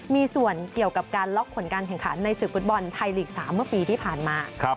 มีส่วนเกี่ยวกับการล็อกผลการแข่งขันในศึกฟุตบอลไทยลีก๓เมื่อปีที่ผ่านมา